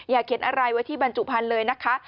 เขียนอะไรไว้ที่บรรจุภัณฑ์เลยนะคะ